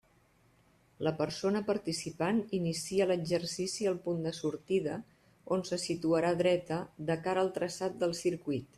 La persona participant inicia l'exercici al punt de sortida, on se situarà dreta, de cara al traçat del circuit.